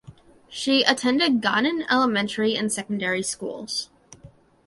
She attended Ghanaian elementary and secondary schools.